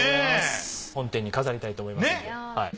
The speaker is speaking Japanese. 本店に飾りたいと思います。